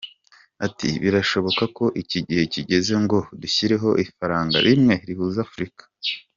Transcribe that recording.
Ati “Birashoboka ko igihe kigeze ngo dushyireho ifaranga rimwe rihuza Afurika.